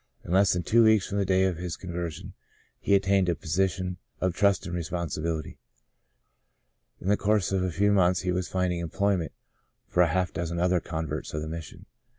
In less than two weeks from the day of his conversion he obtained a position of trust and responsi bility. In the course of a few months he was finding employment for half a dozen other converts of the Mission.